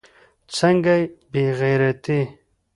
څنگه بې غيرتي.